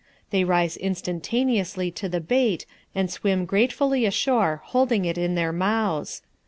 They rise instantaneously to the bait and swim gratefully ashore holding it in their mouths.